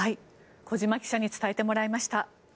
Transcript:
小島記者に伝えてもらいました。